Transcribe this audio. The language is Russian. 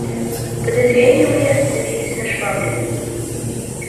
Подозрения мои остановились на Швабрине.